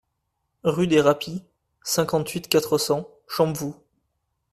Rue des Rapies, cinquante-huit, quatre cents Champvoux